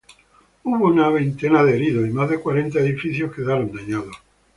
Hubo una veintena de heridos y más de cuarenta edificios quedaron dañados.